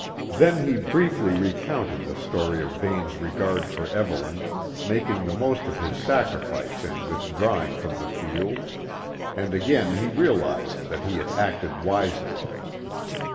Then he briefly recounted the story of Vane's regard for Evelyn, making the most of his sacrifice in withdrawing from the field, and again he realised that he had acted wisely.